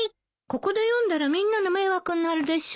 ここで読んだらみんなの迷惑になるでしょ。